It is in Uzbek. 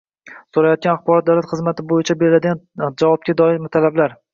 So‘ralayotgan elektron davlat xizmati bo‘yicha beriladigan javobga doir talablar